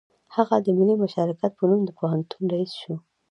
هغه د ملي مشارکت په نوم د پوهنتون رییس شو